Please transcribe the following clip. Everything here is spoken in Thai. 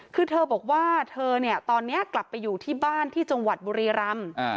คือเธอบอกว่าเธอเนี่ยตอนนี้กลับไปอยู่ที่บ้านที่จังหวัดบุรีรำ